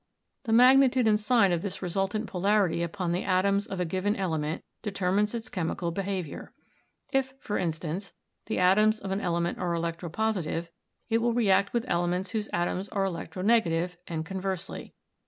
The magnitude and sign of this resultant polarity upon the atoms of a given element determines its chemical behavior. If, for instance, the atoms of an ele ment are electropositive, it will react with elements whose atoms are electronegative, and conversely.